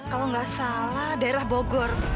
kalau nggak salah daerah bogor